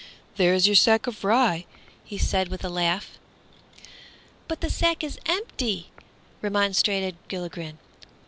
"There is your sack of rye," he said, with a laugh. "But the sack is empty!" remonstrated Gilligren.